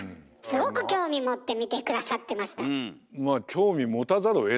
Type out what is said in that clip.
すごく興味持って見て下さってました。